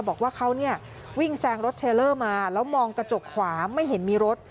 บอกว่าเขาเนี่ยวิ่งแซงรถเทลเลอร์มาแล้วมองกระจกขวาไม่เห็นมีรถ